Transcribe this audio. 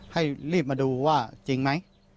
ให้รีบมาดูว่าจริงไหม